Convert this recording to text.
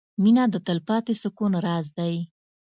• مینه د تلپاتې سکون راز دی.